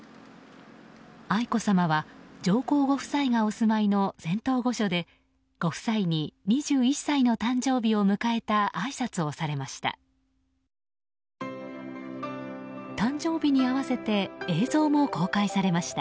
愛子さまは上皇ご夫妻がお住まいの仙洞御所でご夫妻に２１歳の誕生日を迎えたあいさつをされました。